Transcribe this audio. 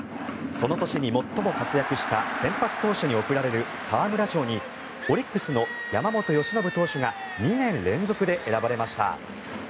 その年に最も活躍した先発投手に贈られる沢村賞にオリックスの山本由伸投手が２年連続で選ばれました。